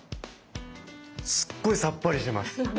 すっごいさっぱりしてます。